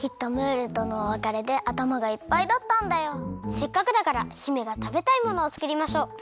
せっかくだから姫がたべたいものをつくりましょう！